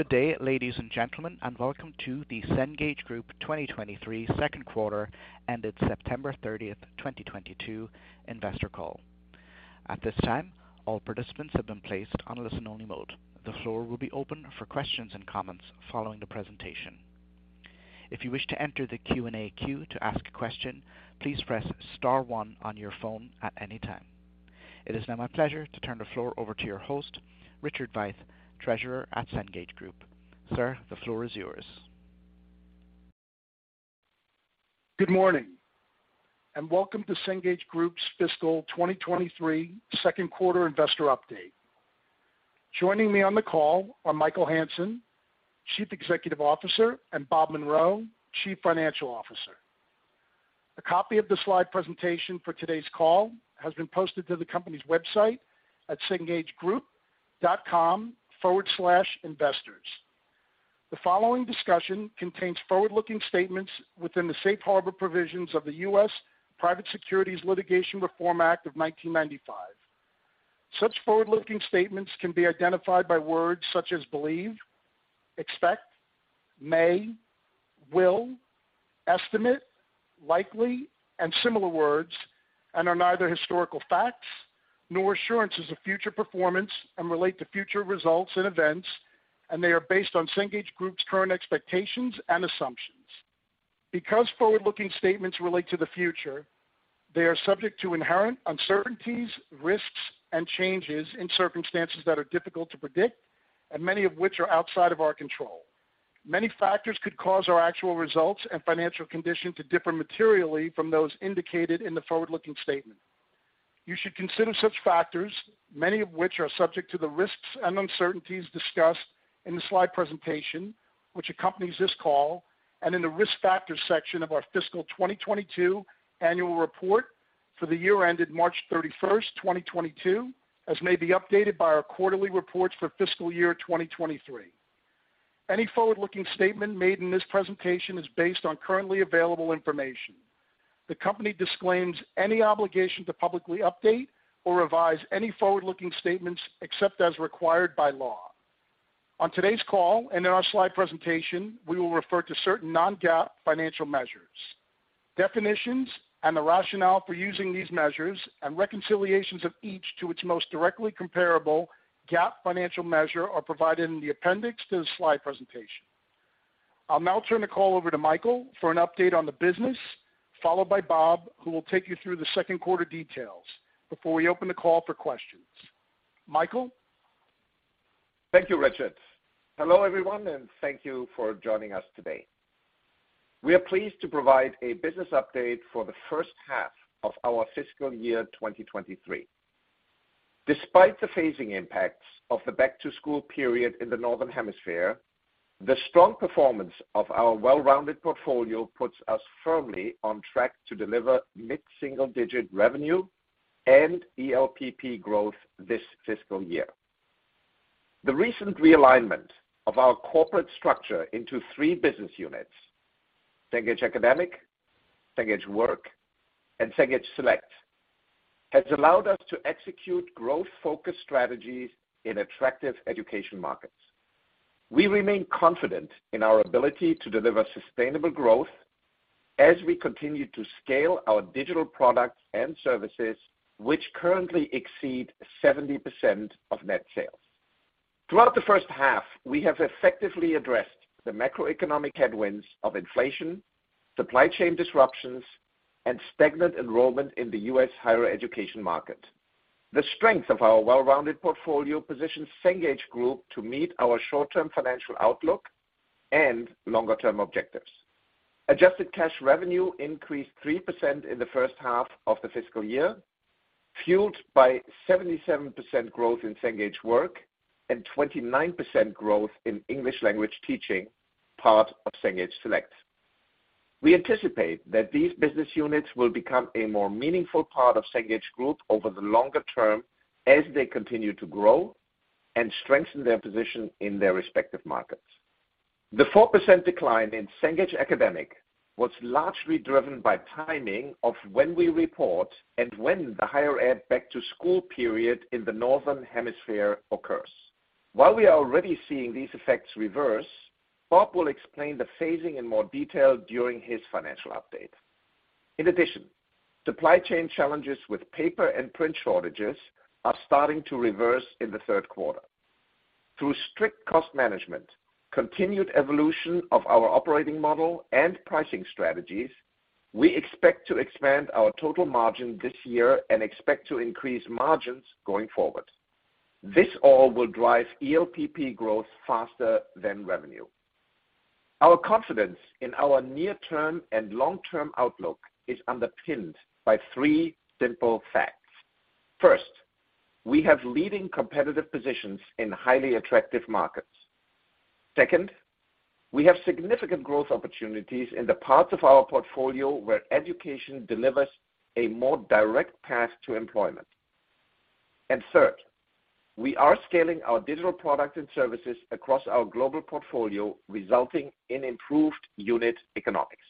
Good day, ladies and gentlemen, and welcome to the Cengage Group 2023 second quarter ended September 30th, 2022 investor call. At this time, all participants have been placed on listen-only mode. The floor will be open for questions and comments following the presentation. If you wish to enter the Q&A queue to ask a question, please press star one on your phone at any time. It is now my pleasure to turn the floor over to your host, Richard Veith, Treasurer at Cengage Group. Sir, the floor is yours. Good morning and welcome to Cengage Group's fiscal 2023 second quarter investor update. Joining me on the call are Michael Hansen, Chief Executive Officer, and Bob Munro, Chief Financial Officer. A copy of the slide presentation for today's call has been posted to the company's website at cengagegroup.com/investors. The following discussion contains forward-looking statements within the safe harbor provisions of the U.S. Private Securities Litigation Reform Act of 1995. Such forward-looking statements can be identified by words such as believe, expect, may, will, estimate, likely, and similar words, and are neither historical facts nor assurances of future performance and relate to future results and events, and they are based on Cengage Group's current expectations and assumptions. Because forward-looking statements relate to the future, they are subject to inherent uncertainties, risks, and changes in circumstances that are difficult to predict and many of which are outside of our control. Many factors could cause our actual results and financial condition to differ materially from those indicated in the forward-looking statement. You should consider such factors, many of which are subject to the risks and uncertainties discussed in the slide presentation which accompanies this call, and in the Risk Factors section of our fiscal 2022 annual report for the year ended March 31st, 2022, as may be updated by our quarterly reports for fiscal year 2023. Any forward-looking statement made in this presentation is based on currently available information. The company disclaims any obligation to publicly update or revise any forward-looking statements except as required by law. On today's call and in our slide presentation, we will refer to certain non-GAAP financial measures. Definitions and the rationale for using these measures and reconciliations of each to its most directly comparable GAAP financial measure are provided in the appendix to the slide presentation. I'll now turn the call over to Michael for an update on the business, followed by Bob, who will take you through the second quarter details before we open the call for questions. Michael? Thank you, Richard. Hello, everyone, and thank you for joining us today. We are pleased to provide a business update for the first half of our fiscal year 2023. Despite the phasing impacts of the back-to-school period in the Northern Hemisphere, the strong performance of our well-rounded portfolio puts us firmly on track to deliver mid-single-digit revenue and ELPP growth this fiscal year. The recent realignment of our corporate structure into three business units, Cengage Academic, Cengage Work, and Cengage Select, has allowed us to execute growth-focused strategies in attractive education markets. We remain confident in our ability to deliver sustainable growth as we continue to scale our digital products and services, which currently exceed 70% of net sales. Throughout the first half, we have effectively addressed the macroeconomic headwinds of inflation, supply chain disruptions, and stagnant enrollment in the U.S. higher education market. The strength of our well-rounded portfolio positions Cengage Group to meet our short-term financial outlook and longer-term objectives. Adjusted cash revenue increased 3% in the first half of the fiscal year, fueled by 77% growth in Cengage Work and 29% growth in English language teaching, part of Cengage Select. We anticipate that these business units will become a more meaningful part of Cengage Group over the longer term as they continue to grow and strengthen their position in their respective markets. The 4% decline in Cengage Academic was largely driven by timing of when we report and when the higher ed back to school period in the Northern Hemisphere occurs. While we are already seeing these effects reverse, Bob will explain the phasing in more detail during his financial update. In addition, supply chain challenges with paper and print shortages are starting to reverse in the third quarter. Through strict cost management, continued evolution of our operating model and pricing strategies, we expect to expand our total margin this year and expect to increase margins going forward. This all will drive ELPP growth faster than revenue. Our confidence in our near-term and long-term outlook is underpinned by three simple facts. First, we have leading competitive positions in highly attractive markets. Second, we have significant growth opportunities in the parts of our portfolio where education delivers a more direct path to employment. Third, we are scaling our digital products and services across our global portfolio, resulting in improved unit economics.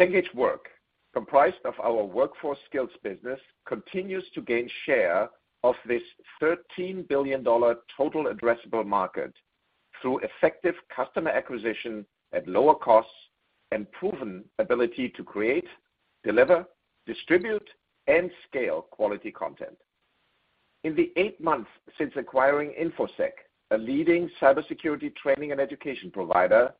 Cengage Work, comprised of our workforce skills business, continues to gain share of this $13 billion total addressable market through effective customer acquisition at lower costs and proven ability to create, deliver, distribute, and scale quality content. In the eight months since acquiring Infosec, a leading cybersecurity training and education provider,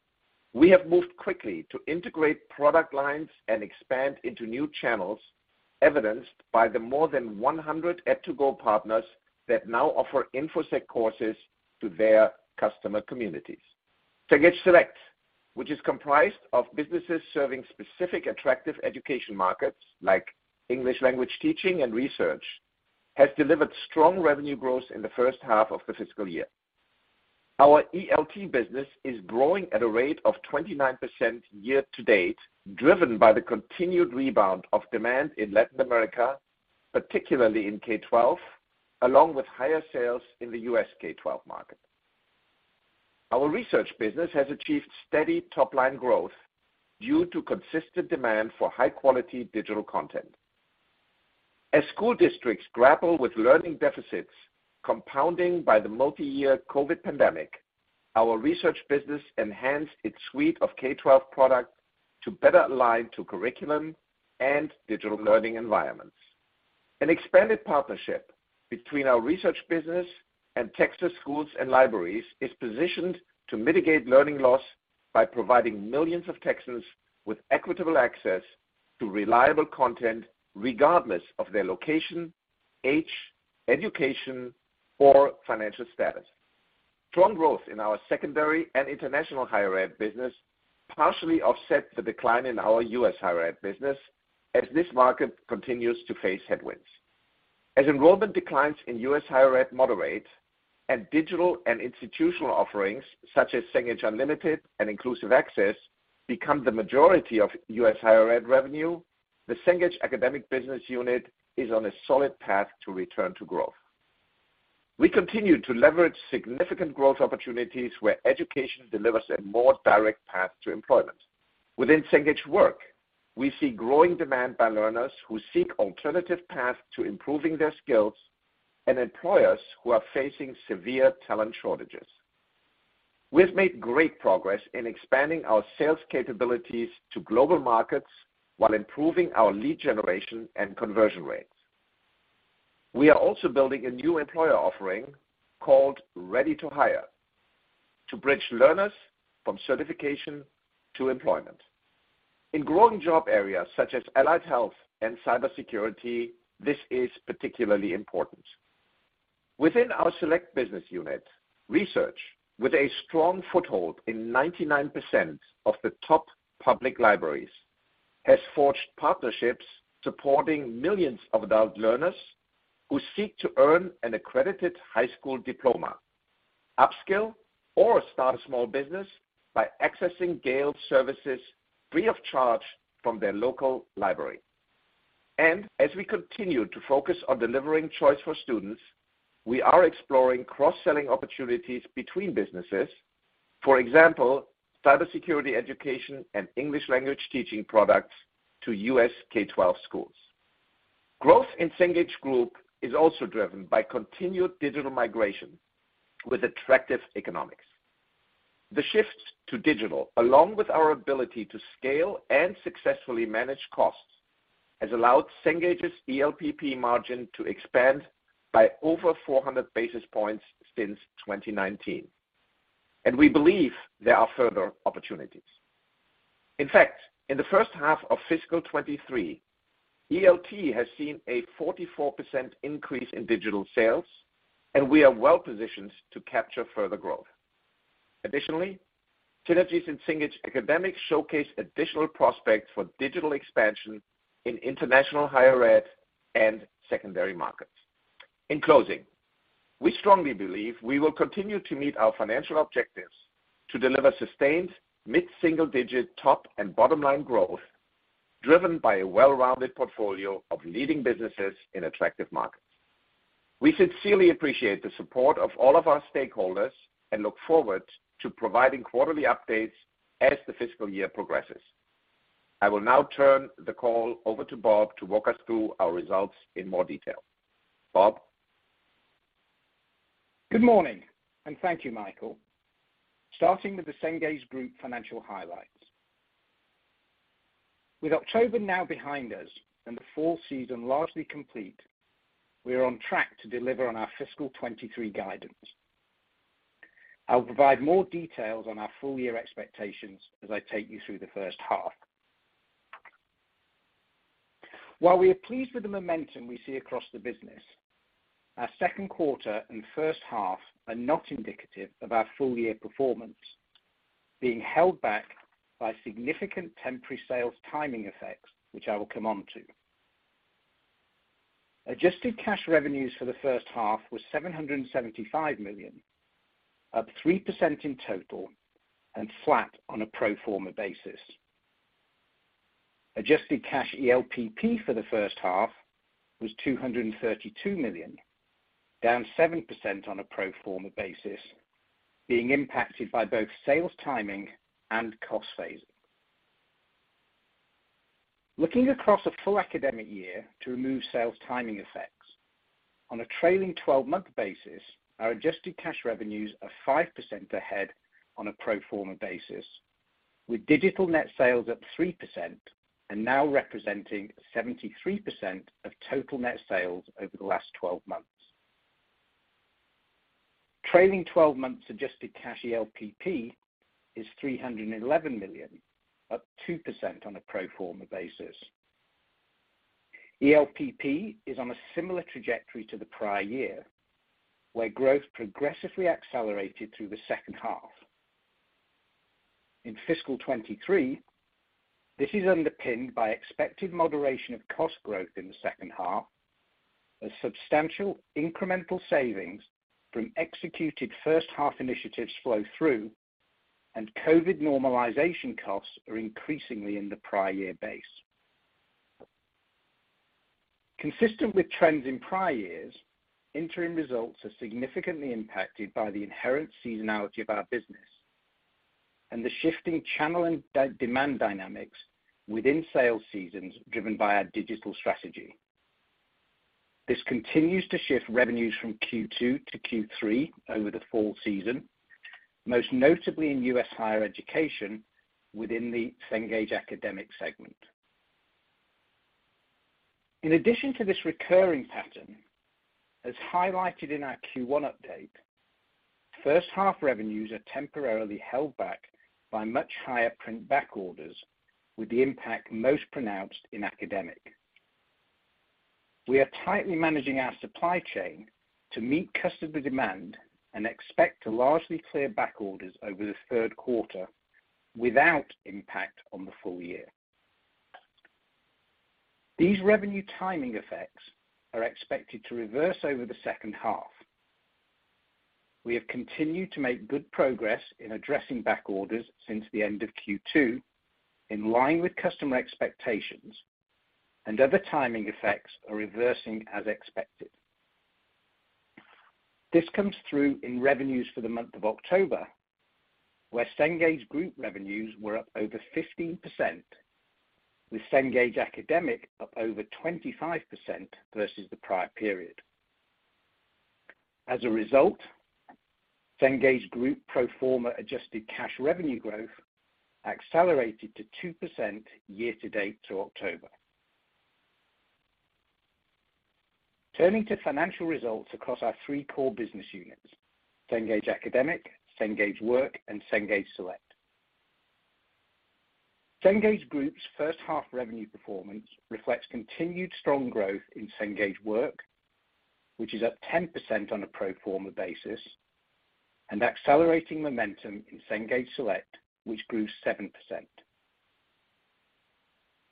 we have moved quickly to integrate product lines and expand into new channels, evidenced by the more than 100 ed2go partners that now offer Infosec courses to their customer communities. Cengage Select, which is comprised of businesses serving specific attractive education markets, like English language teaching and research, has delivered strong revenue growth in the first half of the fiscal year. Our ELT business is growing at a rate of 29% year to date, driven by the continued rebound of demand in Latin America, particularly in K-12, along with higher sales in the U.S. K-12 market. Our research business has achieved steady top-line growth due to consistent demand for high-quality digital content. As school districts grapple with learning deficits compounding by the multi-year COVID pandemic, our research business enhanced its suite of K-12 products to better align to curriculum and digital learning environments. An expanded partnership between our research business and Texas schools and libraries is positioned to mitigate learning loss by providing millions of Texans with equitable access to reliable content regardless of their location, age, education, or financial status. Strong growth in our secondary and international higher ed business partially offset the decline in our U.S. higher ed business as this market continues to face headwinds. As enrollment declines in U.S. higher ed, more digital and institutional offerings, such as Cengage Unlimited and Inclusive Access, become the majority of U.S. higher ed revenue, the Cengage Academic business unit is on a solid path to return to growth. We continue to leverage significant growth opportunities where education delivers a more direct path to employment. Within Cengage Work, we see growing demand by learners who seek alternative paths to improving their skills and employers who are facing severe talent shortages. We have made great progress in expanding our sales capabilities to global markets while improving our lead generation and conversion rates. We are also building a new employer offering called Ready to Hire to bridge learners from certification to employment. In growing job areas such as allied health and cybersecurity, this is particularly important. Within our Select business unit, research with a strong foothold in 99% of the top public libraries has forged partnerships supporting millions of adult learners who seek to earn an accredited high school diploma, upskill, or start a small business by accessing Gale services free of charge from their local library. As we continue to focus on delivering choice for students, we are exploring cross-selling opportunities between businesses. For example, cybersecurity education and English language teaching products to U.S. K-12 schools. Growth in Cengage Group is also driven by continued digital migration with attractive economics. The shift to digital, along with our ability to scale and successfully manage costs, has allowed Cengage's ELPP margin to expand by over 400 basis points since 2019, and we believe there are further opportunities. In fact, in the first half of fiscal 2023, ELT has seen a 44% increase in digital sales, and we are well-positioned to capture further growth. Additionally, synergies in Cengage Academic showcase additional prospects for digital expansion in international higher ed and secondary markets. In closing, we strongly believe we will continue to meet our financial objectives to deliver sustained mid-single digit top and bottom line growth driven by a well-rounded portfolio of leading businesses in attractive markets. We sincerely appreciate the support of all of our stakeholders and look forward to providing quarterly updates as the fiscal year progresses. I will now turn the call over to Bob to walk us through our results in more detail. Bob? Good morning, and thank you, Michael. Starting with the Cengage Group financial highlights. With October now behind us and the fall season largely complete, we are on track to deliver on our fiscal 2023 guidance. I'll provide more details on our full year expectations as I take you through the first half. While we are pleased with the momentum we see across the business, our second quarter and first half are not indicative of our full year performance, being held back by significant temporary sales timing effects which I will come on to. Adjusted cash revenues for the first half was $775 million, up 3% in total and flat on a pro forma basis. Adjusted cash ELPP for the first half was $232 million, down 7% on a pro forma basis, being impacted by both sales timing and cost phasing. Looking across a full academic year to remove sales timing effects, on a trailing 12-month basis, our adjusted cash revenues are 5% ahead on a pro forma basis, with digital net sales up 3% and now representing 73% of total net sales over the last 12 months. Trailing 12 months adjusted cash ELPP is $311 million, up 2% on a pro forma basis. ELPP is on a similar trajectory to the prior year, where growth progressively accelerated through the second half. In fiscal 2023, this is underpinned by expected moderation of cost growth in the second half, as substantial incremental savings from executed first half initiatives flow through, and COVID normalization costs are increasingly in the prior year base. Consistent with trends in prior years, interim results are significantly impacted by the inherent seasonality of our business and the shifting channel and demand dynamics within sales seasons driven by our digital strategy. This continues to shift revenues from Q2 to Q3 over the fall season, most notably in U.S. higher education within the Cengage Academic segment. In addition to this recurring pattern, as highlighted in our Q1 update, first half revenues are temporarily held back by much higher print back orders, with the impact most pronounced in Academic. We are tightly managing our supply chain to meet customer demand and expect to largely clear back orders over the third quarter without impact on the full year. These revenue timing effects are expected to reverse over the second half. We have continued to make good progress in addressing back orders since the end of Q2, in line with customer expectations, and other timing effects are reversing as expected. This comes through in revenues for the month of October, where Cengage Group revenues were up over 15%, with Cengage Academic up over 25% versus the prior period. As a result, Cengage Group pro forma adjusted cash revenue growth accelerated to 2% year to date to October. Turning to financial results across our three core business units, Cengage Academic, Cengage Work, and Cengage Select. Cengage Group's first half revenue performance reflects continued strong growth in Cengage Work, which is up 10% on a pro forma basis, and accelerating momentum in Cengage Select, which grew 7%.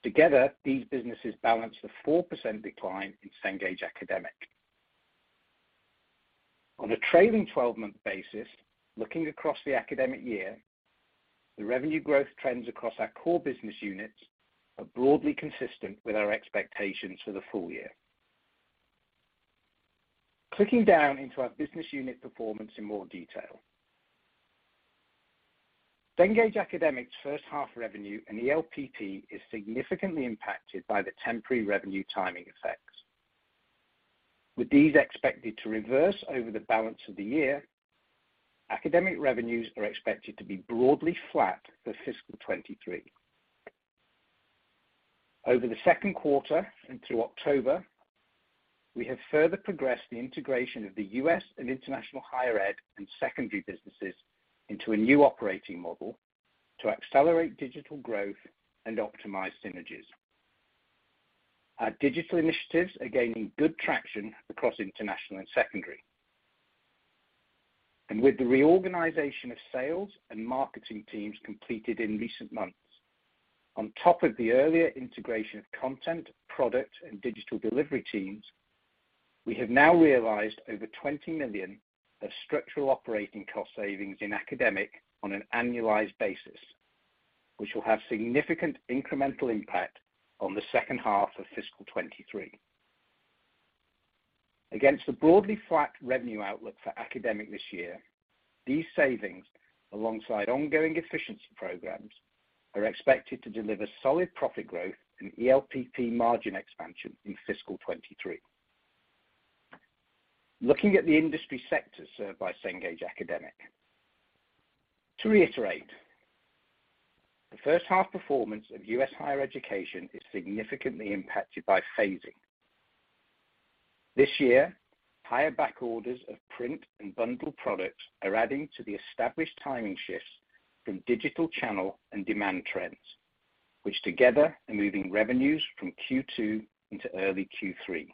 Together, these businesses balance the 4% decline in Cengage Academic. On a trailing 12-month basis, looking across the academic year, the revenue growth trends across our core business units are broadly consistent with our expectations for the full year. Clicking down into our business unit performance in more detail. Cengage Academic's first half revenue and ELPP is significantly impacted by the temporary revenue timing effects. With these expected to reverse over the balance of the year, academic revenues are expected to be broadly flat for fiscal 2023. Over the second quarter and through October, we have further progressed the integration of the U.S. and international higher ed and secondary businesses into a new operating model to accelerate digital growth and optimize synergies. Our digital initiatives are gaining good traction across international and secondary. With the reorganization of sales and marketing teams completed in recent months, on top of the earlier integration of content, product, and digital delivery teams, we have now realized over $20 million of structural operating cost savings in Academic on an annualized basis, which will have significant incremental impact on the second half of fiscal 2023. Against the broadly flat revenue outlook for Academic this year, these savings, alongside ongoing efficiency programs, are expected to deliver solid profit growth and ELPP margin expansion in fiscal 2023. Looking at the industry sectors served by Cengage Academic. To reiterate, the first half performance of U.S. higher education is significantly impacted by phasing. This year, higher back orders of print and bundled products are adding to the established timing shifts from digital channel and demand trends, which together are moving revenues from Q2 into early Q3.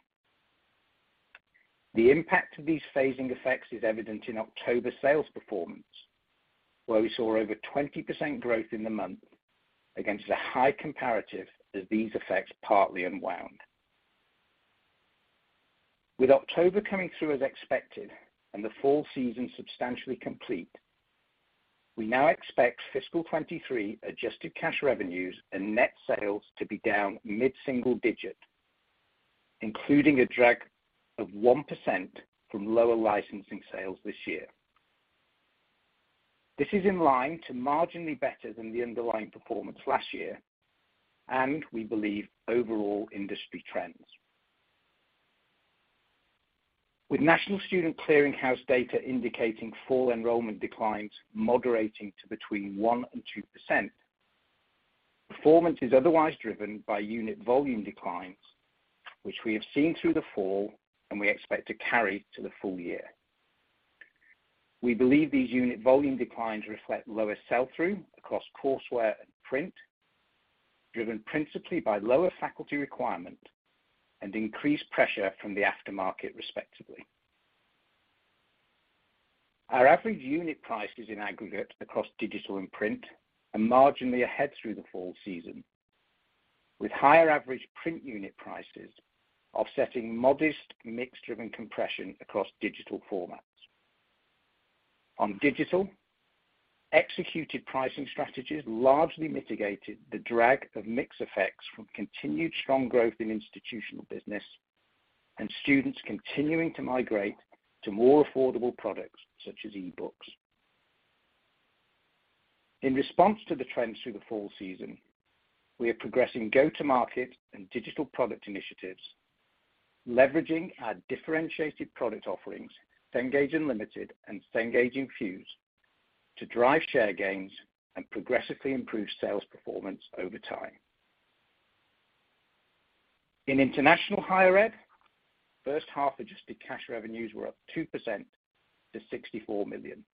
The impact of these phasing effects is evident in October sales performance, where we saw over 20% growth in the month against a high comparative as these effects partly unwound. With October coming through as expected and the fall season substantially complete. We now expect fiscal 2023 adjusted cash revenues and net sales to be down mid-single digit, including a drag of 1% from lower licensing sales this year. This is in line to marginally better than the underlying performance last year, and we believe overall industry trends. With National Student Clearinghouse data indicating full enrollment declines moderating to between 1% and 2%, performance is otherwise driven by unit volume declines, which we have seen through the fall and we expect to carry to the full year. We believe these unit volume declines reflect lower sell-through across courseware and print, driven principally by lower faculty requirement and increased pressure from the aftermarket, respectively. Our average unit prices in aggregate across digital and print are marginally ahead through the fall season, with higher average print unit prices offsetting modest mix-driven compression across digital formats. On digital, executed pricing strategies largely mitigated the drag of mix effects from continued strong growth in institutional business and students continuing to migrate to more affordable products such as e-books. In response to the trends through the fall season, we are progressing go-to-market and digital product initiatives, leveraging our differentiated product offerings, Cengage Unlimited and Cengage Infuse, to drive share gains and progressively improve sales performance over time. In international higher ed, first half adjusted cash revenues were up 2% to $64 million.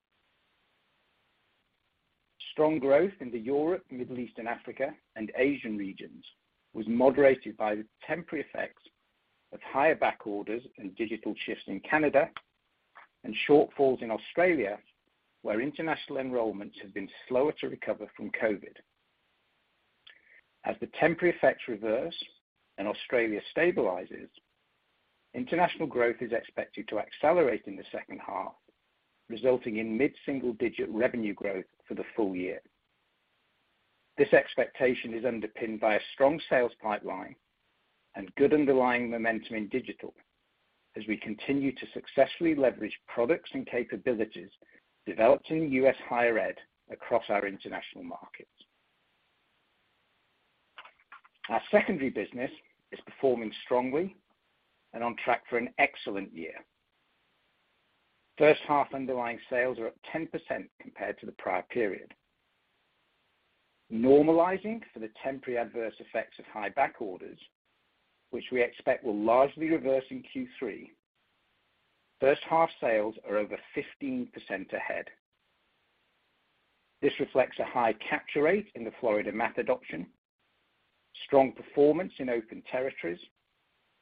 Strong growth into Europe, Middle East and Africa, and Asian regions was moderated by the temporary effects of higher backorders and digital shifts in Canada and shortfalls in Australia, where international enrollments have been slower to recover from COVID. As the temporary effects reverse and Australia stabilizes, international growth is expected to accelerate in the second half, resulting in mid-single-digit revenue growth for the full year. This expectation is underpinned by a strong sales pipeline and good underlying momentum in digital as we continue to successfully leverage products and capabilities developed in U.S. higher ed across our international markets. Our secondary business is performing strongly and on track for an excellent year. First-half underlying sales are up 10% compared to the prior period. Normalizing for the temporary adverse effects of high backorders, which we expect will largely reverse in Q3, first half sales are over 15% ahead. This reflects a high capture rate in the Florida math adoption, strong performance in open territories,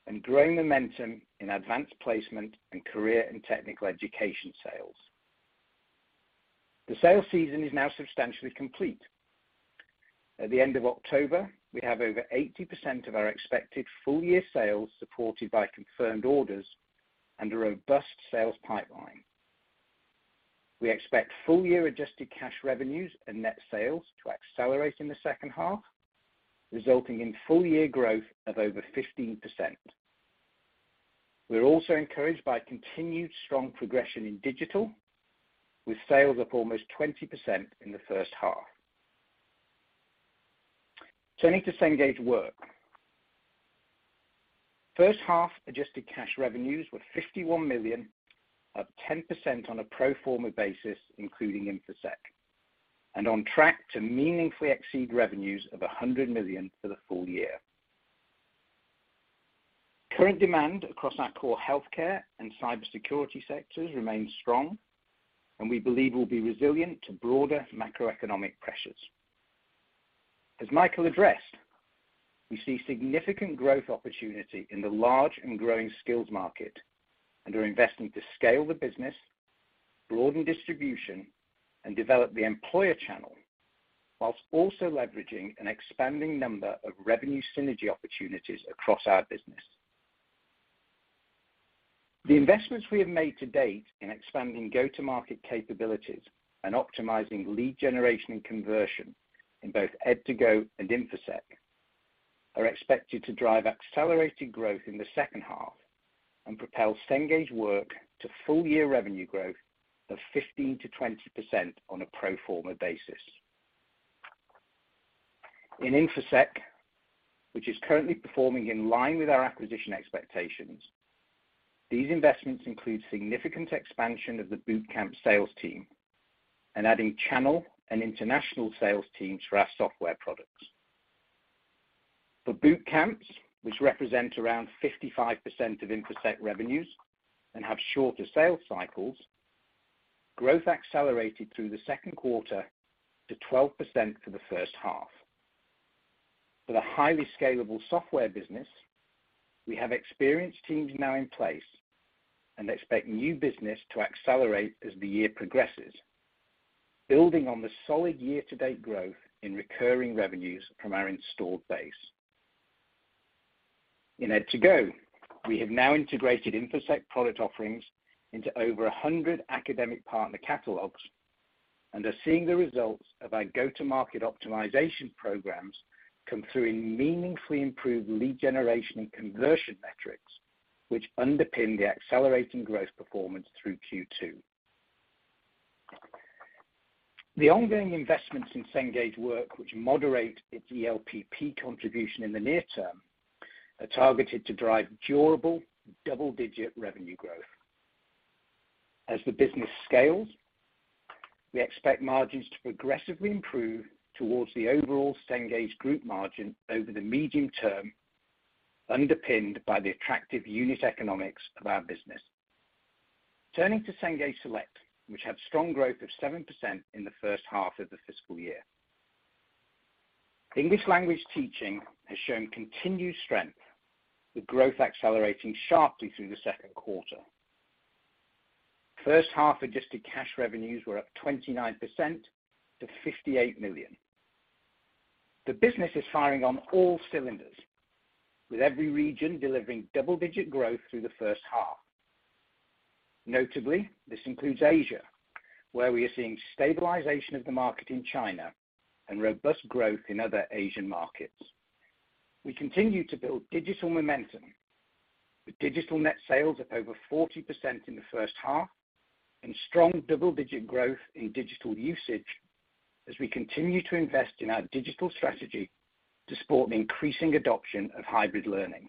and growing momentum in advanced placement and career and technical education sales. The sales season is now substantially complete. At the end of October, we have over 80% of our expected full-year sales supported by confirmed orders and a robust sales pipeline. We expect full-year adjusted cash revenues and net sales to accelerate in the second half, resulting in full-year growth of over 15%. We're also encouraged by continued strong progression in digital, with sales up almost 20% in the first half. Turning to Cengage Work. First half adjusted cash revenues were $51 million, up 10% on a pro forma basis, including Infosec, and on track to meaningfully exceed revenues of $100 million for the full year. Current demand across our core healthcare and cybersecurity sectors remains strong and we believe will be resilient to broader macroeconomic pressures. As Michael addressed, we see significant growth opportunity in the large and growing skills market and are investing to scale the business, broaden distribution, and develop the employer channel, while also leveraging an expanding number of revenue synergy opportunities across our business. The investments we have made to date in expanding go-to-market capabilities and optimizing lead generation and conversion in both ed2go and Infosec are expected to drive accelerated growth in the second half and propel Cengage Work to full-year revenue growth of 15%-20% on a pro forma basis. In Infosec, which is currently performing in line with our acquisition expectations, these investments include significant expansion of the boot camp sales team and adding channel and international sales teams for our software products. For boot camps, which represent around 55% of Infosec revenues and have shorter sales cycles, growth accelerated through the second quarter to 12% for the first half. For the highly scalable software business, we have experienced teams now in place and expect new business to accelerate as the year progresses, building on the solid year-to-date growth in recurring revenues from our installed base. In ed2go, we have now integrated Infosec product offerings into over 100 academic partner catalogs and are seeing the results of our go-to-market optimization programs come through in meaningfully improved lead generation and conversion metrics, which underpin the accelerating growth performance through Q2. The ongoing investments in Cengage Work, which moderate its ELPP contribution in the near term, are targeted to drive durable double-digit revenue growth. As the business scales, we expect margins to progressively improve towards the overall Cengage Group margin over the medium term, underpinned by the attractive unit economics of our business. Turning to Cengage Select, which had strong growth of 7% in the first half of the fiscal year. English language teaching has shown continued strength, with growth accelerating sharply through the second quarter. First half adjusted cash revenues were up 29% to $58 million. The business is firing on all cylinders, with every region delivering double-digit growth through the first half. Notably, this includes Asia, where we are seeing stabilization of the market in China and robust growth in other Asian markets. We continue to build digital momentum with digital net sales up over 40% in the first half and strong double-digit growth in digital usage as we continue to invest in our digital strategy to support the increasing adoption of hybrid learning.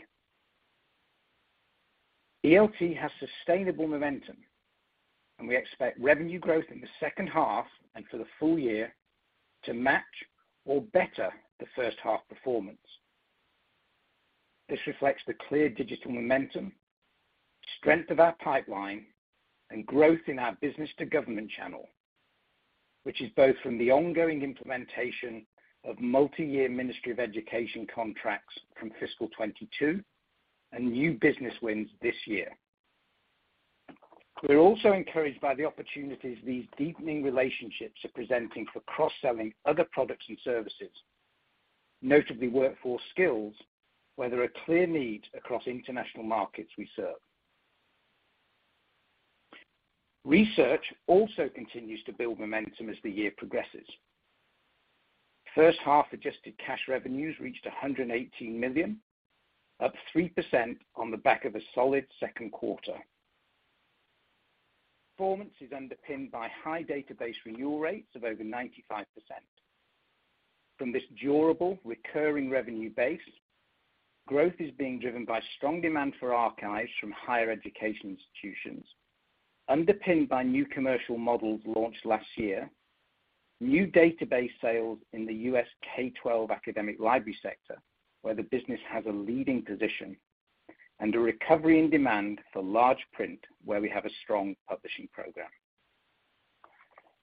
ELT has sustainable momentum, and we expect revenue growth in the second half and for the full year to match or better the first half performance. This reflects the clear digital momentum, strength of our pipeline, and growth in our business to government channel, which is both from the ongoing implementation of multi-year Ministry of Education contracts from fiscal 2022 and new business wins this year. We're also encouraged by the opportunities these deepening relationships are presenting for cross-selling other products and services, notably Workforce Skills, where there are clear needs across international markets we serve. Research also continues to build momentum as the year progresses. First half adjusted cash revenues reached $118 million, up 3% on the back of a solid second quarter. Performance is underpinned by high database renewal rates of over 95%. From this durable recurring revenue base, growth is being driven by strong demand for archives from higher education institutions, underpinned by new commercial models launched last year, new database sales in the U.S. K-12 academic library sector, where the business has a leading position, and a recovery in demand for large print where we have a strong publishing program.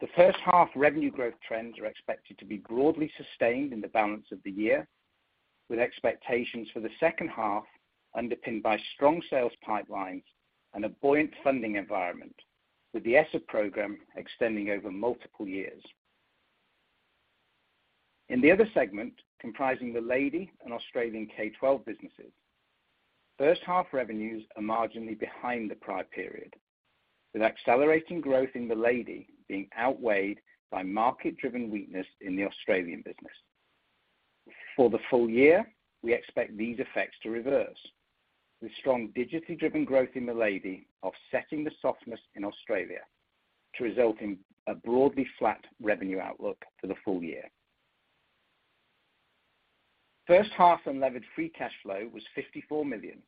The first half revenue growth trends are expected to be broadly sustained in the balance of the year, with expectations for the second half underpinned by strong sales pipelines and a buoyant funding environment, with the ESSER program extending over multiple years. In the other segment, comprising the ELT and Australian K-12 businesses, first half revenues are marginally behind the prior period, with accelerating growth in the ELT being outweighed by market-driven weakness in the Australian business. For the full year, we expect these effects to reverse, with strong digitally driven growth in the ELT offsetting the softness in Australia to result in a broadly flat revenue outlook for the full year. First half unlevered free cash flow was $54 million,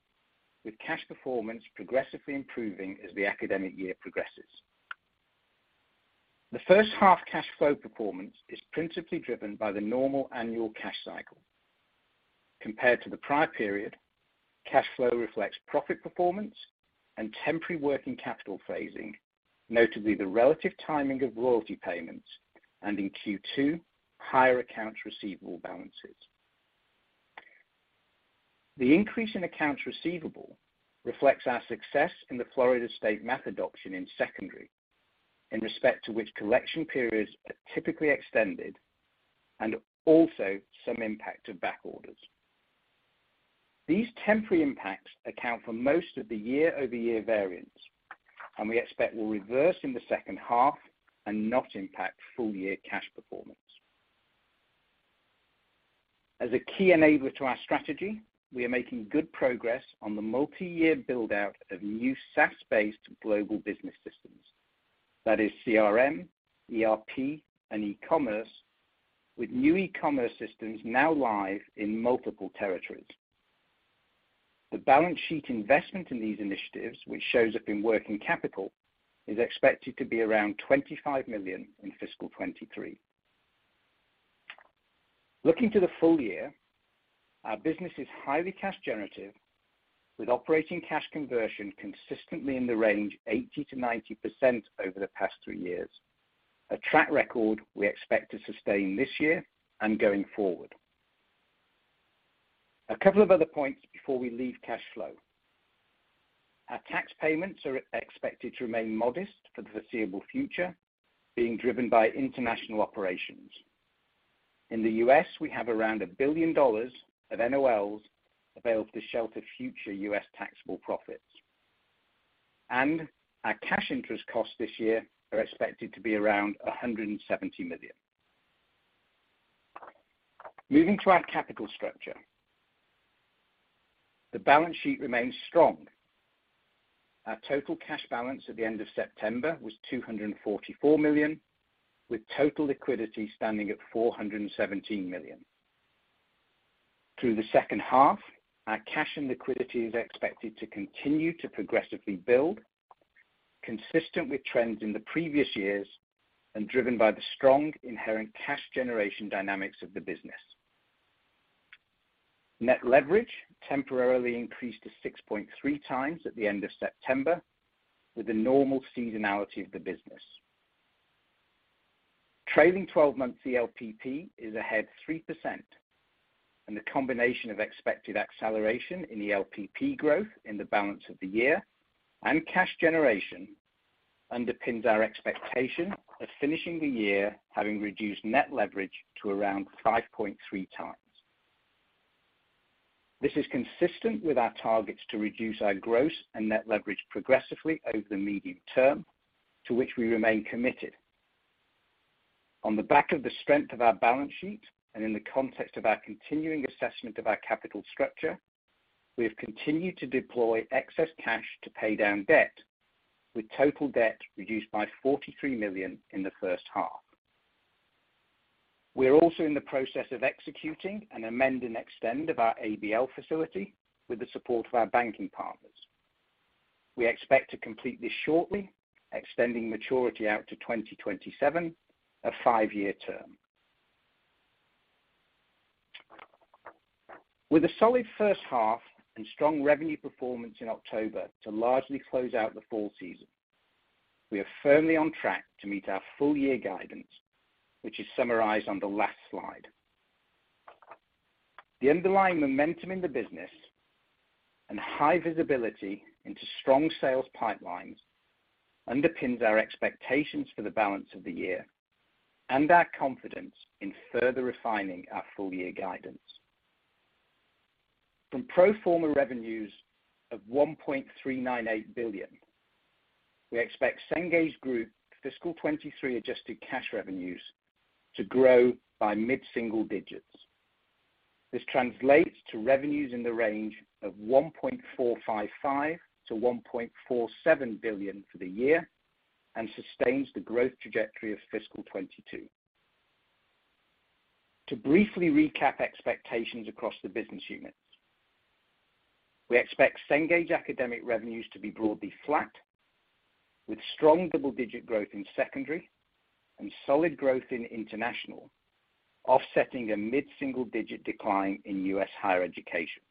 with cash performance progressively improving as the academic year progresses. The first half cash flow performance is principally driven by the normal annual cash cycle. Compared to the prior period, cash flow reflects profit performance and temporary working capital phasing, notably the relative timing of royalty payments, and in Q2, higher accounts receivable balances. The increase in accounts receivable reflects our success in the Florida State math adoption in secondary, in respect to which collection periods are typically extended, and also some impact of back orders. These temporary impacts account for most of the year-over-year variance, and we expect will reverse in the second half and not impact full year cash performance. As a key enabler to our strategy, we are making good progress on the multi-year build-out of new SaaS-based global business systems, that is CRM, ERP, and e-commerce, with new e-commerce systems now live in multiple territories. The balance sheet investment in these initiatives, which shows up in working capital, is expected to be around $25 million in fiscal 2023. Looking to the full year, our business is highly cash generative, with operating cash conversion consistently in the range 80%-90% over the past three years, a track record we expect to sustain this year and going forward. A couple of other points before we leave cash flow. Our tax payments are expected to remain modest for the foreseeable future, being driven by international operations. In the U.S., we have around $1 billion of NOLs available to shelter future U.S. taxable profits. Our cash interest costs this year are expected to be around $170 million. Moving to our capital structure. The balance sheet remains strong. Our total cash balance at the end of September was $244 million, with total liquidity standing at $417 million. Through the second half, our cash and liquidity is expected to continue to progressively build, consistent with trends in the previous years and driven by the strong inherent cash generation dynamics of the business. Net leverage temporarily increased to 6.3x at the end of September, with the normal seasonality of the business. Trailing 12 months ELPP is ahead 3%, and the combination of expected acceleration in the LPP growth in the balance of the year and cash generation underpins our expectation of finishing the year having reduced net leverage to around 5.3x. This is consistent with our targets to reduce our gross and net leverage progressively over the medium term, to which we remain committed. On the back of the strength of our balance sheet and in the context of our continuing assessment of our capital structure, we have continued to deploy excess cash to pay down debt, with total debt reduced by $43 million in the first half. We are also in the process of executing an amend and extend of our ABL facility with the support of our banking partners. We expect to complete this shortly, extending maturity out to 2027, a five-year term. With a solid first half and strong revenue performance in October to largely close out the fall season, we are firmly on track to meet our full year guidance, which is summarized on the last slide. The underlying momentum in the business and high visibility into strong sales pipelines underpins our expectations for the balance of the year and our confidence in further refining our full year guidance. From pro forma revenues of $1.398 billion, we expect Cengage Group fiscal 2023 adjusted cash revenues to grow by mid-single digits. This translates to revenues in the range of $1.455-$1.47 billion for the year and sustains the growth trajectory of fiscal 2022. To briefly recap expectations across the business units. We expect Cengage Academic revenues to be broadly flat, with strong double-digit growth in secondary and solid growth in international, offsetting a mid-single digit decline in U.S. higher education.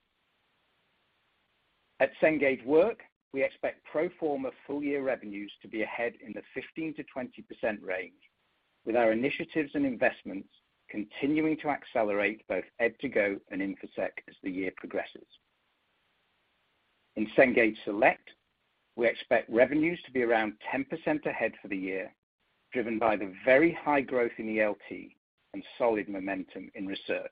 At Cengage Work, we expect pro forma full-year revenues to be ahead in the 15%-20% range, with our initiatives and investments continuing to accelerate both ed2go and Infosec as the year progresses. In Cengage Select, we expect revenues to be around 10% ahead for the year, driven by the very high growth in ELT and solid momentum in research.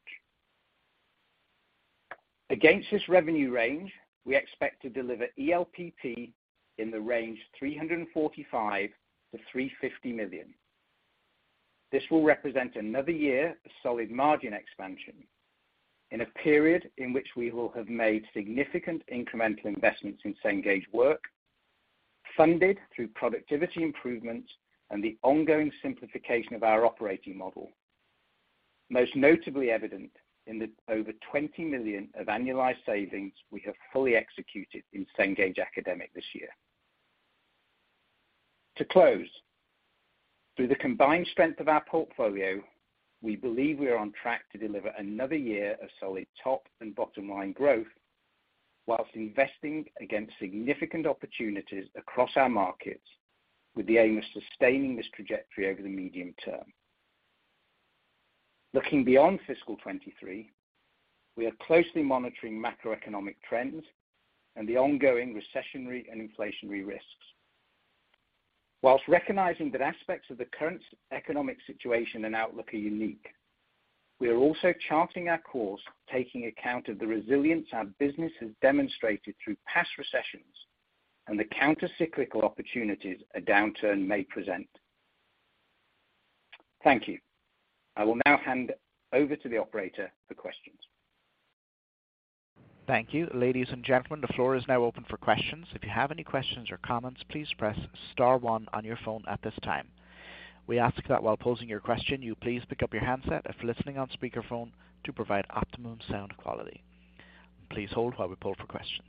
Against this revenue range, we expect to deliver ELPP in the range $345 million-$350 million. This will represent another year of solid margin expansion in a period in which we will have made significant incremental investments in Cengage Work, funded through productivity improvements and the ongoing simplification of our operating model, most notably evident in the over $20 million of annualized savings we have fully executed in Cengage Academic this year. To close, through the combined strength of our portfolio, we believe we are on track to deliver another year of solid top and bottom line growth while investing against significant opportunities across our markets with the aim of sustaining this trajectory over the medium term. Looking beyond fiscal 2023, we are closely monitoring macroeconomic trends and the ongoing recessionary and inflationary risks. While recognizing that aspects of the current economic situation and outlook are unique, we are also charting our course, taking account of the resilience our business has demonstrated through past recessions and the countercyclical opportunities a downturn may present. Thank you. I will now hand over to the operator for questions. Thank you. Ladies and gentlemen, the floor is now open for questions. If you have any questions or comments, please press star one on your phone at this time. We ask that while posing your question, you please pick up your handset if listening on speakerphone to provide optimum sound quality. Please hold while we poll for questions.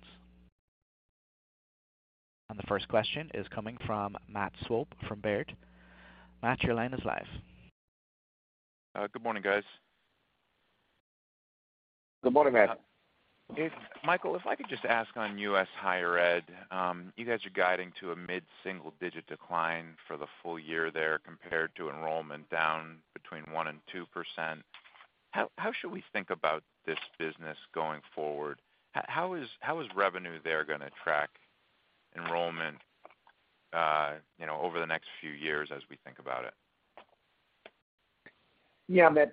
The first question is coming from Matt Swope from Baird. Matt, your line is live. Good morning, guys. Good morning, Matt. Michael, if I could just ask on U.S. higher ed, you guys are guiding to a mid-single digit decline for the full year there compared to enrollment down between 1% and 2%. How should we think about this business going forward? How is revenue there gonna track enrollment over the next few years as we think about it? Yeah, Matt,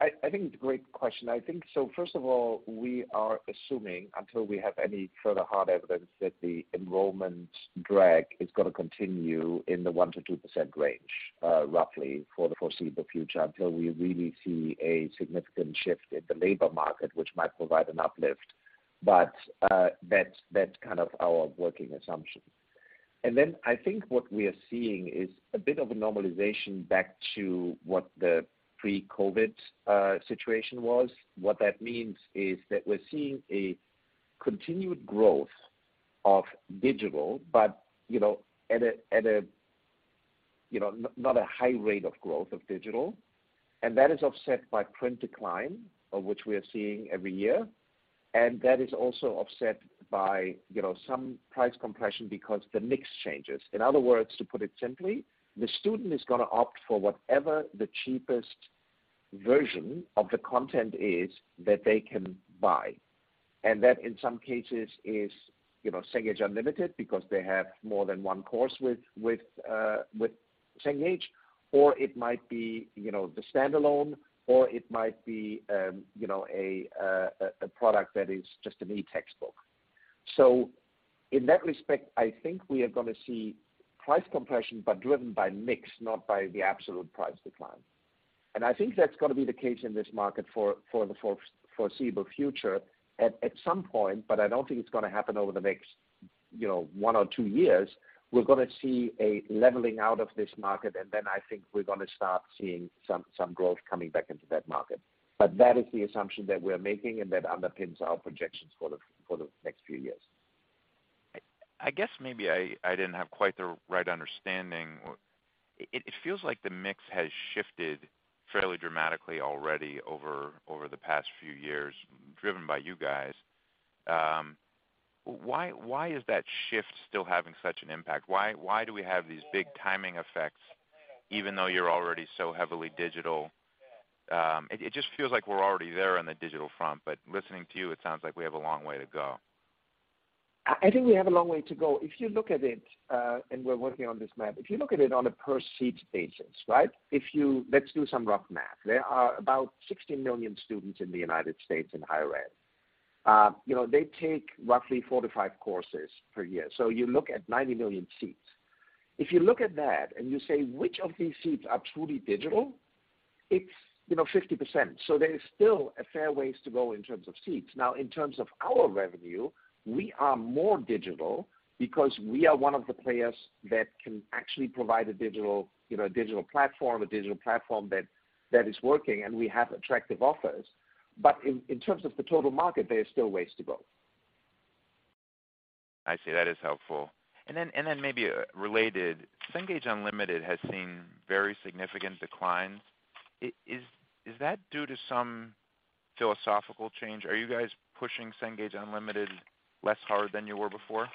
I think it's a great question. I think so first of all, we are assuming until we have any further hard evidence that the enrollment drag is gonna continue in the 1%-2% range, roughly for the foreseeable future, until we really see a significant shift in the labor market, which might provide an uplift. That's kind of our working assumption. Then I think what we are seeing is a bit of a normalization back to what the pre-COVID situation was. What that means is that we're seeing a continued growth of digital, but you know, at a not a high rate of growth of digital, and that is offset by print decline, of which we are seeing every year. That is also offset by, you know, some price compression because the mix changes. In other words, to put it simply, the student is gonna opt for whatever the cheapest version of the content is that they can buy. That in some cases is, you know, Cengage Unlimited because they have more than one course with Cengage, or it might be, you know, the standalone, or it might be, you know, a product that is just an e-textbook. In that respect, I think we are gonna see price compression, but driven by mix, not by the absolute price decline. I think that's gonna be the case in this market for the foreseeable future. At some point, but I don't think it's gonna happen over the next, you know, one ot two years, we're gonna see a leveling out of this market, and then I think we're gonna start seeing some growth coming back into that market. But that is the assumption that we're making and that underpins our projections for the next few years. I guess maybe I didn't have quite the right understanding. It feels like the mix has shifted fairly dramatically already over the past few years, driven by you guys. Why is that shift still having such an impact? Why do we have these big timing effects even though you're already so heavily digital? It just feels like we're already there on the digital front, but listening to you, it sounds like we have a long way to go. I think we have a long way to go. If you look at it and we're working on this, Matt. If you look at it on a per seat basis, right? Let's do some rough math. There are about 60 million students in the United States in higher-ed. You know, they take roughly four to five courses per year. So you look at 90 million seats. If you look at that and you say, which of these seats are truly digital? It's you know, 50%. So there is still a fair ways to go in terms of seats. Now, in terms of our revenue, we are more digital because we are one of the players that can actually provide a digital you know, digital platform that is working, and we have attractive offers. In terms of the total market, there is still ways to go. I see. That is helpful. Maybe related. Cengage Unlimited has seen very significant declines. Is that due to some philosophical change? Are you guys pushing Cengage Unlimited less hard than you were before?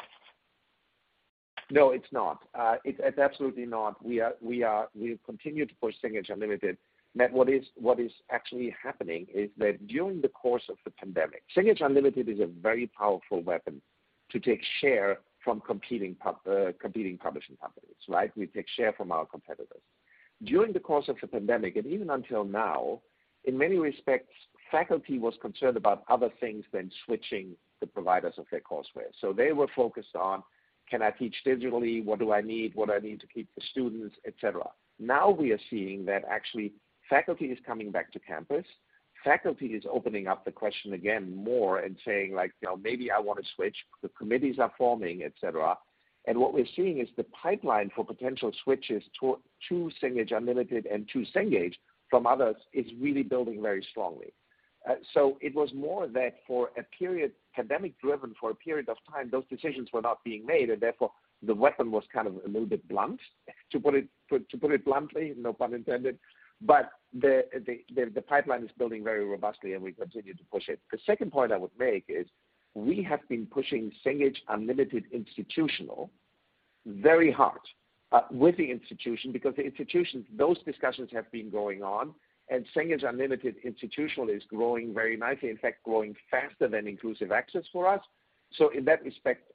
No, it's not. It's absolutely not. We've continued to push Cengage Unlimited. Matt, what is actually happening is that during the course of the pandemic, Cengage Unlimited is a very powerful weapon to take share from competing publishing companies, right? We take share from our competitors. During the course of the pandemic, and even until now, in many respects, faculty was concerned about other things than switching the providers of their courseware. They were focused on, can I teach digitally? What do I need? What do I need to keep the students, et cetera. Now we are seeing that actually faculty is coming back to campus. Faculty is opening up the question again more and saying, like, you know, maybe I want to switch. The committees are forming, et cetera. What we're seeing is the pipeline for potential switches to Cengage Unlimited and to Cengage from others is really building very strongly. It was more that for a period, pandemic-driven, for a period of time, those decisions were not being made, and therefore the weapon was kind of a little bit blunt, to put it bluntly, no pun intended. The pipeline is building very robustly and we continue to push it. The second point I would make is we have been pushing Cengage Unlimited Institutional very hard with the institution because the institutions, those discussions have been going on, and Cengage Unlimited Institutional is growing very nicely, in fact, growing faster than Inclusive Access for us.In that respect,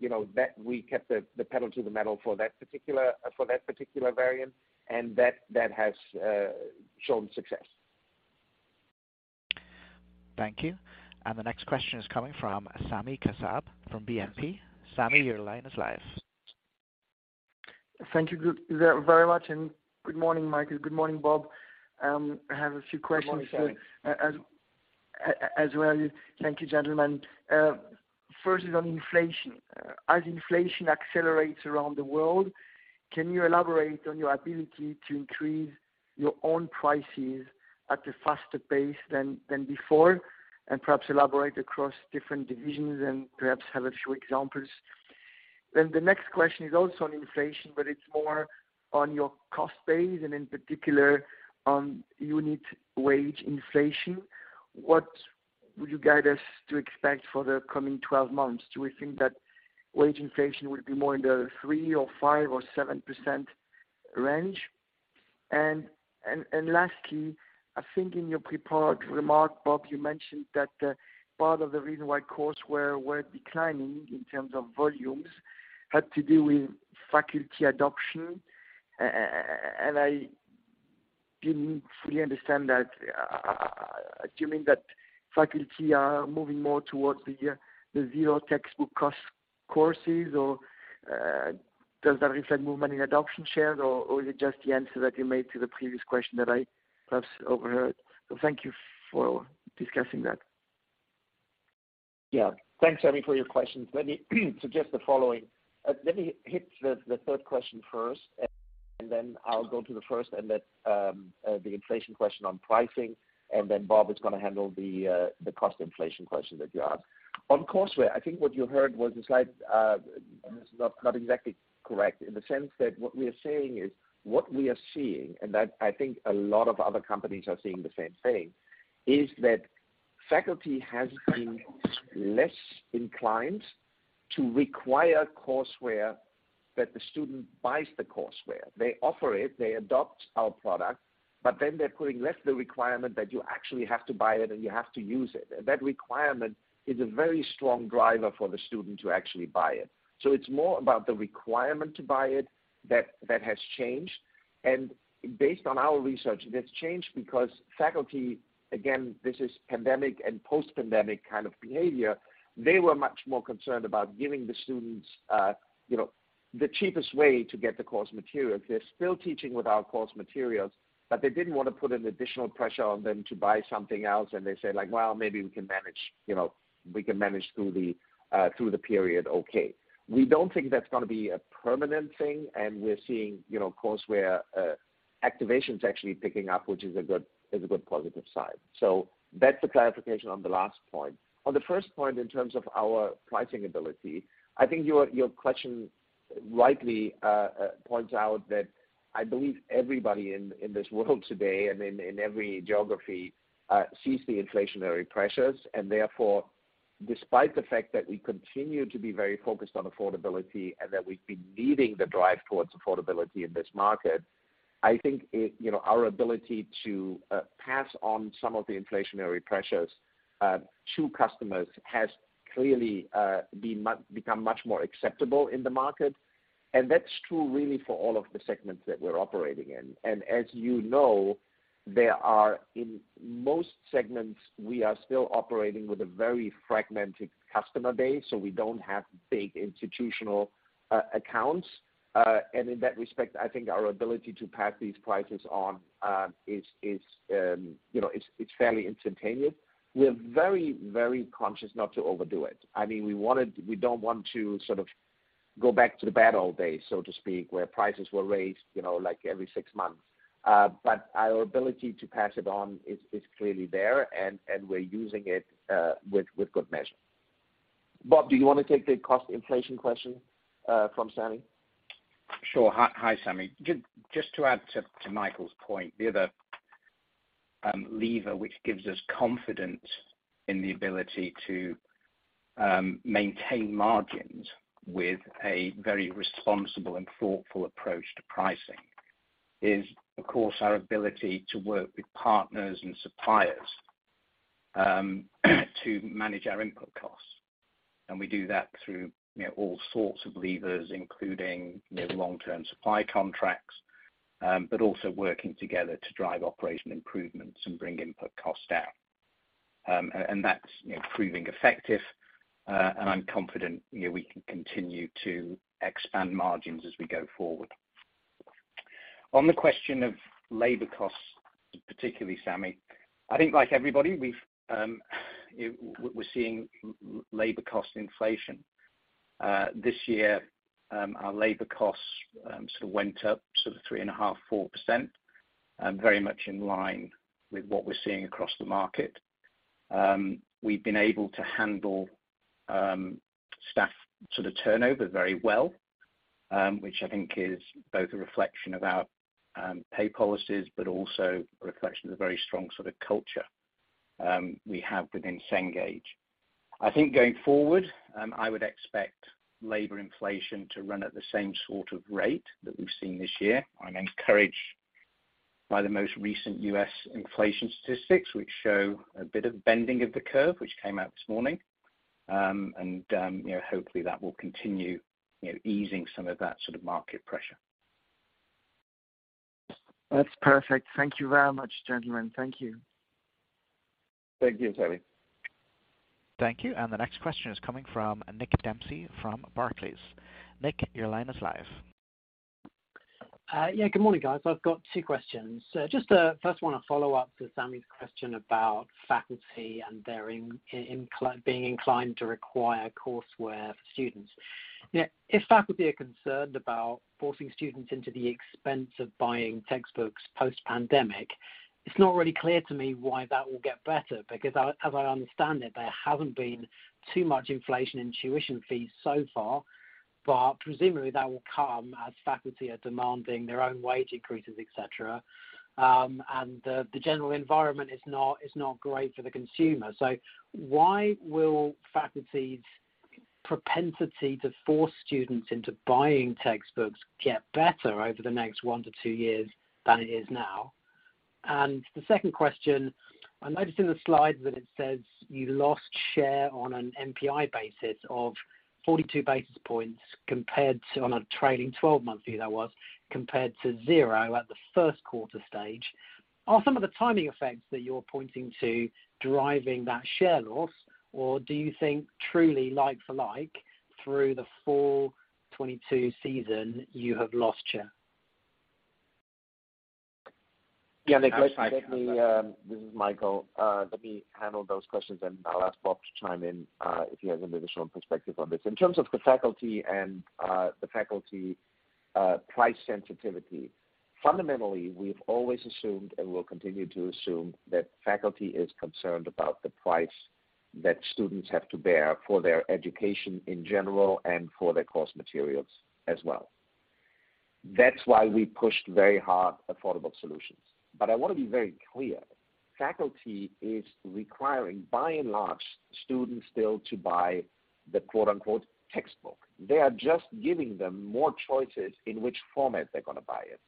you know, that we kept the pedal to the metal for that particular variant, and that has shown success. Thank you. The next question is coming from Sami Kassab, from BNP. Sami, your line is live. Thank you very much, and good morning, Michael. Good morning, Bob. I have a few questions. Good morning, Sami. As well. Thank you, gentlemen. First is on inflation. As inflation accelerates around the world can you elaborate on your ability to increase your own prices at a faster pace than before? Perhaps elaborate across different divisions and perhaps have a few examples. The next question is also on inflation, but it's more on your cost base, and in particular on unit wage inflation. What would you guide us to expect for the coming 12 months? Do we think that wage inflation will be more in the 3%, or 5%, or 7% range? Lastly, I think in your prepared remark, Bob, you mentioned that part of the reason why courseware were declining in terms of volumes had to do with faculty adoption. I didn't fully understand that. Do you mean that faculty are moving more towards the zero textbook cost courses or does that reflect movement in adoption shares or is it just the answer that you made to the previous question that I perhaps overheard? Thank you for discussing that. Yeah. Thanks, Sami, for your questions. Let me suggest the following. Let me hit the third question first, and then I'll go to the first and then the inflation question on pricing, and then Bob is gonna handle the cost inflation question that you asked. On courseware, I think what you heard was the slide. This is not exactly correct in the sense that what we are saying is what we are seeing, and that I think a lot of other companies are seeing the same thing, is that faculty has been less inclined to require courseware that the student buys the courseware. They offer it, they adopt our product, but then they're putting less the requirement that you actually have to buy it, and you have to use it. That requirement is a very strong driver for the student to actually buy it. It's more about the requirement to buy it that has changed. Based on our research, that's changed because faculty, again, this is pandemic and post-pandemic kind of behavior, they were much more concerned about giving the students, you know, the cheapest way to get the course materials. They're still teaching with our course materials, but they didn't wanna put an additional pressure on them to buy something else. They said, like, "Well, maybe we can manage, you know, through the period okay." We don't think that's gonna be a permanent thing, and we're seeing, you know, courseware activations actually picking up, which is a good positive sign. That's the clarification on the last point. On the first point in terms of our pricing ability, I think your question rightly points out that I believe everybody in this world today and in every geography sees the inflationary pressures. Therefore, despite the fact that we continue to be very focused on affordability and that we've been leading the drive towards affordability in this market, our ability to pass on some of the inflationary pressures to customers has clearly become much more acceptable in the market. That's true really for all of the segments that we're operating in. As you know, there are, in most segments, we are still operating with a very fragmented customer base, so we don't have big institutional accounts. In that respect, I think our ability to pass these prices on is, you know, it's fairly instantaneous. We're very conscious not to overdo it. I mean, we don't want to sort of go back to the bad old days, so to speak, where prices were raised, you know, like every six months. Our ability to pass it on is clearly there, and we're using it with good measure. Bob, do you wanna take the cost inflation question from Sami? Sure. Hi, Sami. Just to add to Michael's point, the other lever, which gives us confidence in the ability to maintain margins with a very responsible and thoughtful approach to pricing is, of course, our ability to work with partners and suppliers to manage our input costs. We do that through, you know, all sorts of levers, including, you know, long-term supply contracts, but also working together to drive operational improvements and bring input costs down. And that's, you know, proving effective, and I'm confident, you know, we can continue to expand margins as we go forward. On the question of labor costs, particularly Sami, I think like everybody, we've we're seeing labor cost inflation. This year, our labor costs sort of went up sort of 3.5%-4%, very much in line with what we're seeing across the market. We've been able to handle staff sort of turnover very well, which I think is both a reflection of our pay policies, but also a reflection of the very strong sort of culture we have within Cengage. I think going forward, I would expect labor inflation to run at the same sort of rate that we've seen this year. I'm encouraged by the most recent U.S. inflation statistics, which show a bit of bending of the curve, which came out this morning. You know, hopefully that will continue, you know, easing some of that sort of market pressure. That's perfect. Thank you very much, gentlemen. Thank you. Thank you, Sami. Thank you. The next question is coming from Nick Dempsey from Barclays. Nick, your line is live. Yeah, good morning, guys. I've got two questions. Just, first one, a follow-up to Sami's question about faculty and their being inclined to require courseware for students. Now, if faculty are concerned about forcing students into the expense of buying textbooks post-pandemic, it's not really clear to me why that will get better. Because as I understand it, there hasn't been too much inflation in tuition fees so far, but presumably that will come as faculty are demanding their own wage increases, et cetera. The general environment is not great for the consumer. Why will faculty's propensity to force students into buying textbooks get better over the next one to two years than it is now. The second question, I noticed in the slide that it says you lost share on an MPI basis of 42 basis points compared to on a trailing twelve months view that was, compared to zero at the first quarter stage. Are some of the timing effects that you're pointing to driving that share loss, or do you think truly like for like through the fall 2022 season you have lost share? Yeah. Nick, let me, this is Michael. Let me handle those questions, and I'll ask Bob to chime in if he has an additional perspective on this. In terms of the faculty price sensitivity. Fundamentally, we've always assumed and will continue to assume that faculty is concerned about the price that students have to bear for their education in general and for their course materials as well. That's why we pushed very hard affordable solutions, but I wanna be very clear, faculty is requiring, by and large, students still to buy the quote-unquote, "textbook". They are just giving them more choices in which format they're gonna buy it.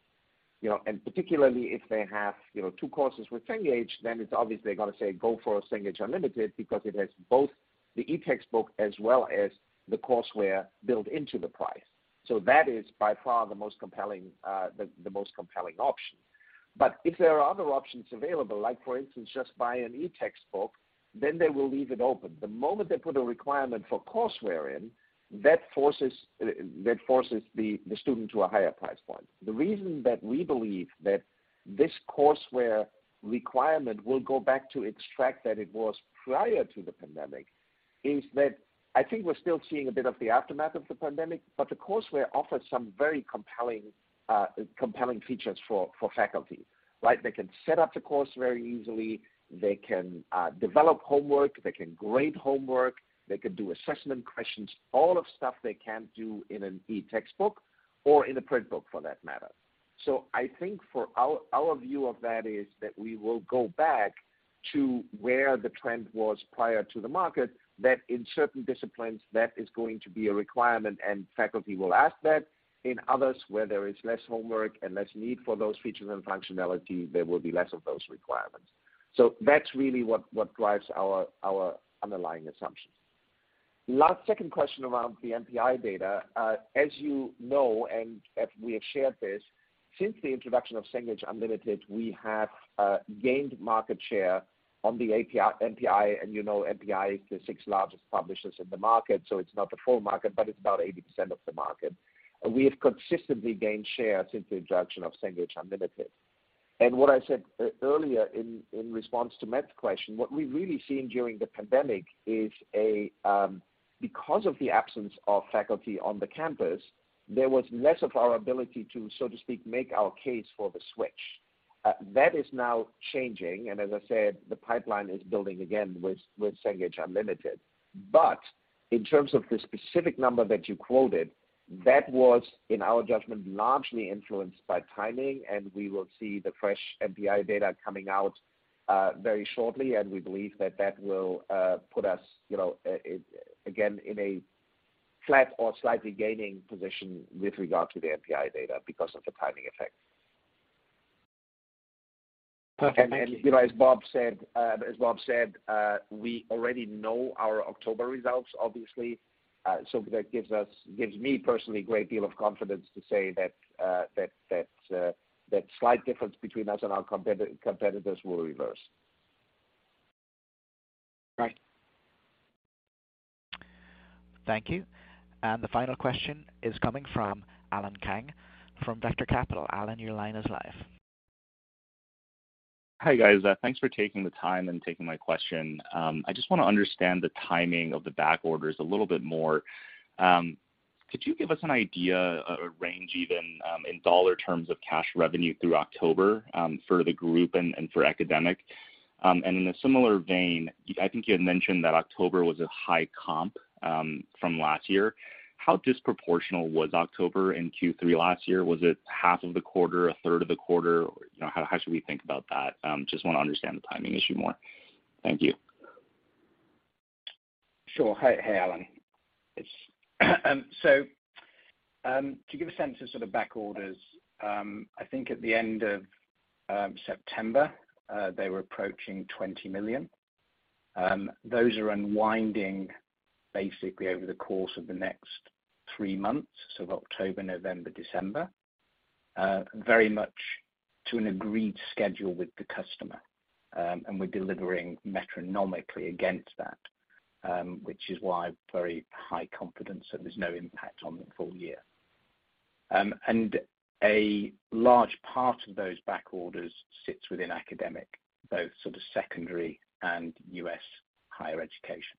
You know, particularly if they have, you know, two courses with Cengage, then it's obvious they're gonna say go for a Cengage Unlimited because it has both the e-textbook as well as the courseware built into the price. That is by far the most compelling option. If there are other options available, like for instance, just buy an e-textbook, then they will leave it open. The moment they put a requirement for courseware in, that forces the student to a higher price point. The reason that we believe that this courseware requirement will go back to its track that it was prior to the pandemic is that I think we're still seeing a bit of the aftermath of the pandemic, but the courseware offers some very compelling features for faculty, right? They can set up the course very easily. They can develop homework. They can grade homework. They can do assessment questions. All of stuff they can't do in an e-textbook or in a print book for that matter. I think for our view of that is that we will go back to where the trend was prior to the market, that in certain disciplines that is going to be a requirement and faculty will ask that. In others where there is less homework and less need for those features and functionality, there will be less of those requirements. That's really what drives our underlying assumptions. Last second question around the MPI data. As you know, and as we have shared this, since the introduction of Cengage Unlimited, we have gained market share on the MPI, and you know MPI is the six largest publishers in the market, so it's not the full market, but it's about 80% of the market. We have consistently gained share since the introduction of Cengage Unlimited. What I said earlier in response to Matt's question, what we've really seen during the pandemic is because of the absence of faculty on the campus, there was less of our ability to, so to speak, make our case for the switch. That is now changing, and as I said, the pipeline is building again with Cengage Unlimited. In terms of the specific number that you quoted, that was, in our judgment, largely influenced by timing, and we will see the fresh MPI data coming out, very shortly. We believe that that will put us, you know, again, in a flat or slightly gaining position with regard to the MPI data because of the timing effect. Perfect. Thank you. You know, as Bob said, we already know our October results, obviously. That gives me personally a great deal of confidence to say that slight difference between us and our competitors will reverse. Right. Thank you. The final question is coming from Allan Kang from Vector Capital. Allan, your line is live. Hi, guys. Thanks for taking the time and taking my question. I just wanna understand the timing of the back orders a little bit more. Could you give us an idea or range even, in dollar terms of cash revenue through October, for the Group and for Academic? And in a similar vein, I think you had mentioned that October was a high comp from last year. How disproportional was October in Q3 last year? Was it half of the quarter, a third of the quarter? You know, how should we think about that? Just wanna understand the timing issue more. Thank you. Sure. Hey, Allan. To give a sense of sort of back orders, I think at the end of September, they were approaching $20 million. Those are unwinding basically over the course of the next three months, so October, November, December, very much to an agreed schedule with the customer. We're delivering metronomically against that, which is why very high confidence that there's no impact on the full year. A large part of those back orders sits within academic, both sort of secondary and U.S. higher education.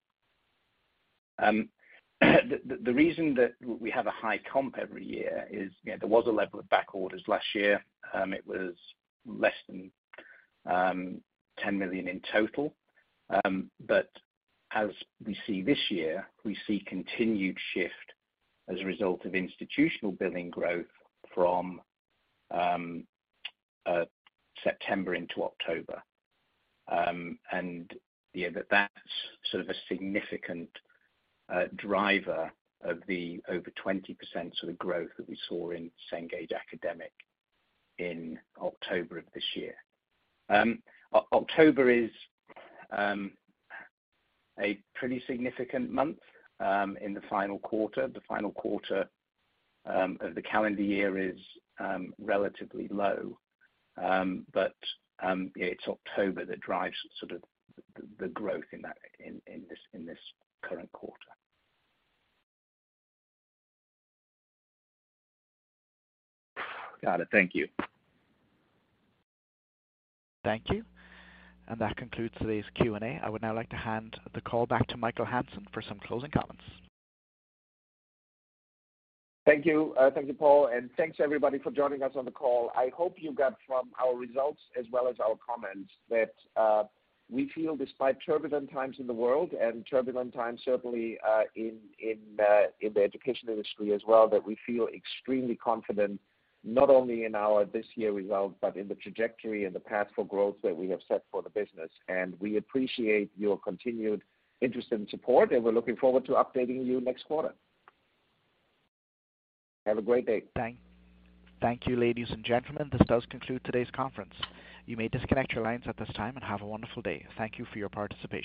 The reason that we have a high comp every year is, you know, there was a level of back orders last year. It was less than $10 million in total. As we see this year, we see continued shift as a result of institutional billing growth from September into October. You know, that's sort of a significant driver of the over 20% sort of growth that we saw in Cengage Academic in October of this year. October is a pretty significant month in the final quarter. The final quarter of the calendar year is relatively low. It's October that drives sort of the growth in this current quarter. Got it. Thank you. Thank you. That concludes today's Q&A. I would now like to hand the call back to Michael Hansen for some closing comments. Thank you. Thank you, Paul, and thanks everybody for joining us on the call. I hope you got from our results as well as our comments that we feel despite turbulent times in the world and turbulent times certainly in the education industry as well, that we feel extremely confident, not only in our this year results, but in the trajectory and the path for growth that we have set for the business. We appreciate your continued interest and support, and we're looking forward to updating you next quarter. Have a great day. Thank you, ladies and gentlemen. This does conclude today's conference. You may disconnect your lines at this time, and have a wonderful day. Thank you for your participation.